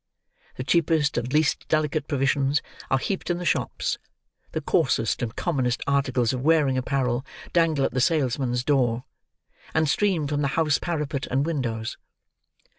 The cheapest and least delicate provisions are heaped in the shops; the coarsest and commonest articles of wearing apparel dangle at the salesman's door, and stream from the house parapet and windows.